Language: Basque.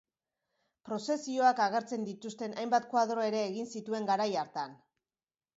Prozesioak agertzen dituzten hainbat koadro ere egin zituen garai hartan.